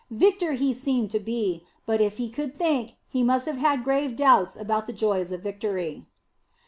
Victor he seemed to be, but if he could think, he must have had grave doubts about the joys of victory.